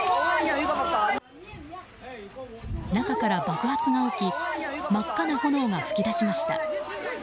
中から爆発が起き真っ赤な炎が噴き出しました。